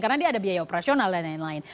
karena dia ada biaya operasional dan lain lain